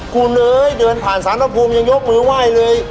คุณเอ๋ยเดินผ่านสารพระภูมิยังยกมือไหว้เลย